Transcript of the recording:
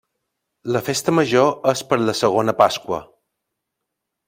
La festa major és per la segona Pasqua.